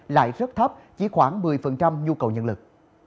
lại rất thấp chỉ khoảng một mươi nhu cầu nhân lực